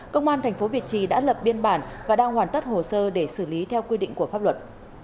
công an tp việt trì đã lập biên bản và đang hoàn tất hồ sơ để xử lý theo quy định của pháp luật